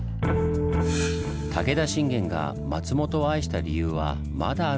武田信玄が松本を愛した理由はまだあるんです。